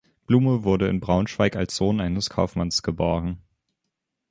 Blume wurde in Braunschweig als Sohn eines Kaufmanns geboren.